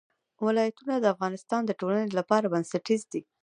ولایتونه د افغانستان د ټولنې لپاره بنسټیز دي.